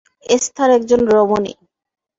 Esther একজন রমণী।